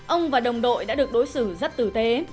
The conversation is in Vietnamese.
ông và đồng đội đã được đối xử rất tử tế